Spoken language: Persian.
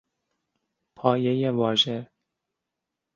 پایهی واژه